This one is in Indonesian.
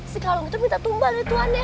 si kalung itu minta tumbang dari tuannya